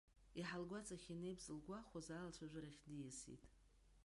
Иаҳа лгәаҵахь инеип зылгәахәуаз алацәажәарахь дииасит.